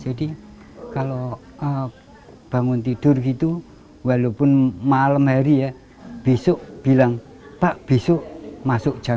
jadi kalau bangun tidur gitu walaupun malam hari ya besok bilang pak besok masuk jam delapan